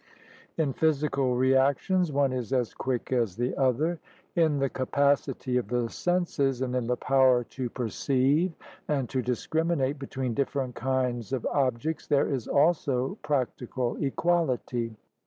In physical reactions one is as quick as the other. In the capacity of the senses and in the power to perceive and to discriminate between different kinds of objects there is also practical equality.